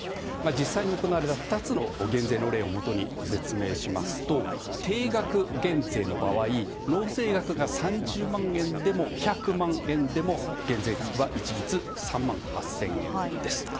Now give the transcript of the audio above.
実際に行われた２つの減税の例をもとにご説明しますと定額減税の場合、納税額が３０万円でも１００万円でも減税額は一律３万８０００円です。